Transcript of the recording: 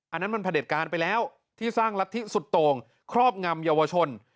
อันนั้นมันผลิตการไปแล้วที่สร้างรัฐที่สุดโต่งครอบงำเยาวชน